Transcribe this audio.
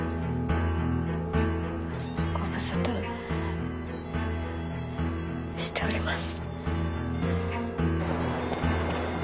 ご無沙汰しております。